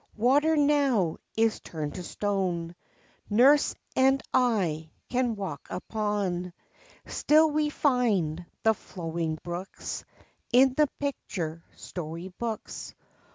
Water now is turned to stone Nurse and I can walk upon; Still we find the flowing brooks In the picture story books.